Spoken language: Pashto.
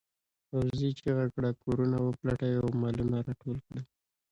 پوځي چیغه کړه کورونه وپلټئ او مالونه راټول کړئ.